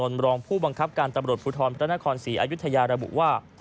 ส่วนรองผู้บังคับการตำรวจภูทรเต้าหน้าขอนสี่อยุธยารบุว่า